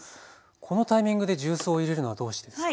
このタイミングで重曹を入れるのはどうしてですか？